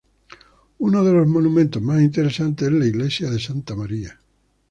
Uno de los monumentos más interesantes es la iglesia de Santa María.